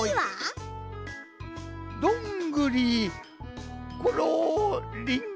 「どんぐりころりん」。